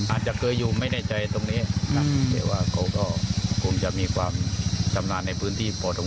อาจจะเคยอยู่ไม่ในใจตรงนี้อืมเขาก็คงจะมีความจำนานในพื้นที่ปกติ